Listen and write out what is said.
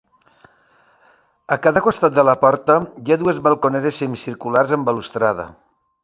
A cada costat de la porta hi ha dues balconeres semicirculars amb balustrada.